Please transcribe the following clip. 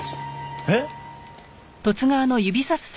えっ？